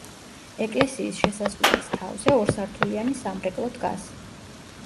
ეკლესიის შესასვლელის თავზე ორსართულიანი სამრეკლო დგას.